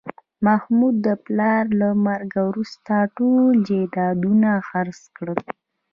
محمود د پلار له مرګه وروسته ټول جایدادونه خرڅ کړل